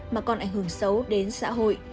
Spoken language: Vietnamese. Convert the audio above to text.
mà còn ảnh hưởng xấu đến xã hội